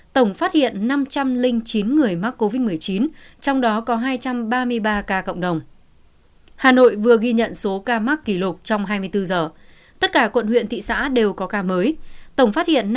tổng phát hiện năm trăm linh chín người mắc covid một mươi chín trong đó có hai trăm ba mươi ba ca cộng đồng